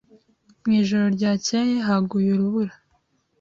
Mu ijoro ryakeye haguye urubura.